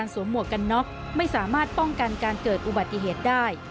หมวกกันน็อกไม่สามารถป้องกันการเกิดอุบัติเหตุได้